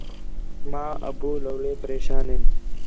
ماں، ابو لَولے پریشان ہِن